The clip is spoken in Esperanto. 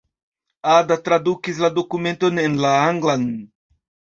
Ada tradukis la dokumenton en la anglan.